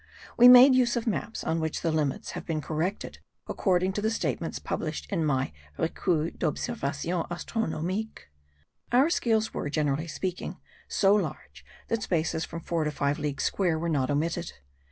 We made use of maps on which the limits had been corrected according to the statements published in my Recueil d'Observations Astronomiques. Our scales were, generally speaking, so large that spaces from four to five leagues square were not omitted.